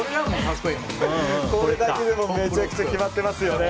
これだけでもめちゃくちゃ決まってますよね。